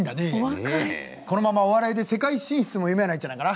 このままお笑いで世界進出も夢やないっちゃないかな。